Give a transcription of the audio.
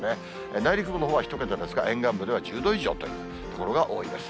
内陸部のほうは１桁ですが、沿岸部では１０度以上という所が多いです。